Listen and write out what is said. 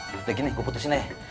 yaudah gini gua putusin deh